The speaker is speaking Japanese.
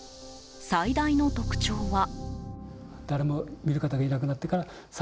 最大の特徴は。